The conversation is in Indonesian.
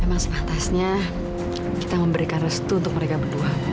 memang sepentasnya kita memberikan restu untuk mereka berdua bu